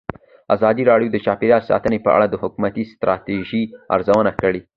ازادي راډیو د چاپیریال ساتنه په اړه د حکومتي ستراتیژۍ ارزونه کړې.